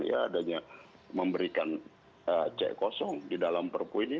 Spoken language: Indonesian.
ya adanya memberikan c kosong di dalam perpu ini